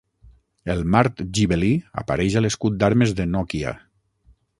El mart gibelí apareix a l'escut d'armes de Nokia.